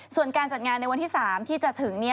ส่วนการจัดงานในวันที่๓ที่จะถึง